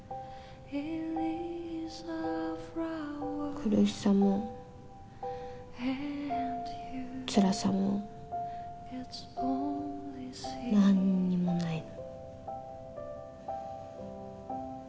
苦しさもつらさも何にもないの。